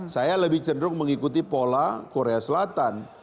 saya lebih cenderung mengikuti pola korea selatan